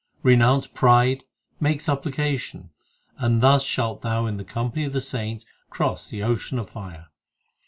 Renounce pride, make supplication, And thus shalt thou in the company of the saints cross the ocean of fire.